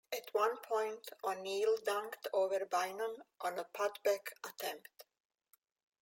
At one point, O'Neal dunked over Bynum on a putback attempt.